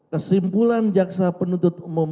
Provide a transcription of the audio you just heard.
kesimpulan jaksa penuntut umum